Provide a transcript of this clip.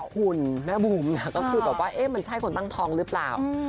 คุณแม่บุ๋มก็คือแบบว่ามันใช่คนตั้งท้องหรือเปล่า